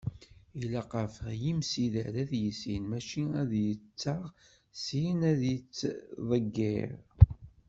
Ilaq ɣef yimsider ad yissin mačči ad d-yettaɣ, syin ad yettḍeggir.